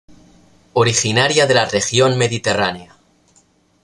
Originaria de la región mediterránea.